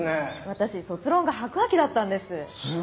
私卒論が白亜紀だったんです。